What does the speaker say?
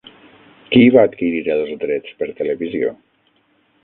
Qui va adquirir els drets per televisió?